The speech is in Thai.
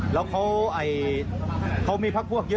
แล้วเขามีพักพวกเยอะ